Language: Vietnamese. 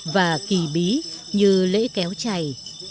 và kì bí như lễ kéo chày